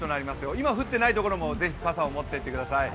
今降っていないところもぜひ傘を持っていってください。